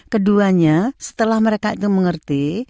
keduanya setelah mereka itu mengerti